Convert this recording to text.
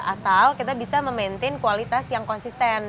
asal kita bisa memaintain kualitas yang konsisten